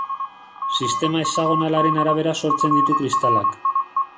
Sistema hexagonalaren arabera sortzen ditu kristalak.